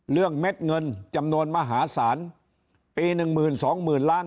เม็ดเงินจำนวนมหาศาลปีหนึ่งหมื่นสองหมื่นล้าน